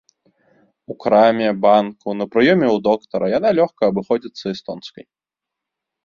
У краме, банку, на прыёме ў доктара яна лёгка абыходзіцца эстонскай.